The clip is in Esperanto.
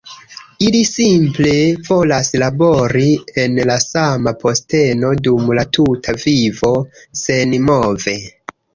Ili simple volas labori en la sama posteno dum la tuta vivo, senmove.